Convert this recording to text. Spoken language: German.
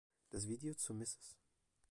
Das Video zu "Ms.